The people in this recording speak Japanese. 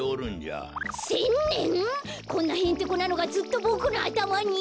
こんなへんてこなのがずっとボクのあたまに？